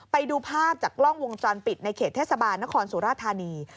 ไปดูภาพจากกล้องวงจรปิดในเขตเทศบาลนครสุราธานี